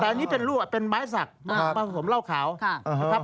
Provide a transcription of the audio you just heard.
แต่อันนี้เป็นรูปเป็นไม้สักมาผสมเหล้าขาวครับครับ